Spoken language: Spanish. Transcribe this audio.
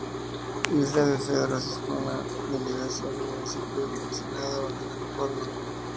Isla de Cedros es una Delegación del municipio de Ensenada, Baja California.